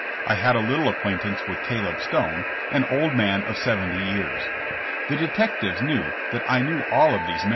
I had a little acquaintance with Caleb Stone, an old man of seventy years. The detectives knew that I knew all of these THE TRIAI, FOR TRAIN ROBBERY.